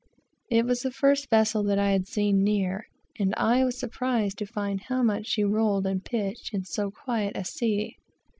It was the first vessel that I had seen near, and I was surprised to find how much she rolled and pitched in so quiet a sea.